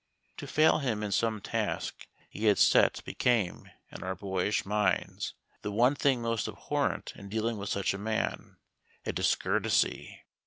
To fail him in some task he had set became, in our boyish minds, the one thing most abhorrent in dealing with such a man a discourtesy.